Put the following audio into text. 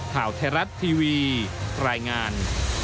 ข่าวไทยรัฐทีวีรายงาน